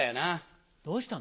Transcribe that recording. どうしたの？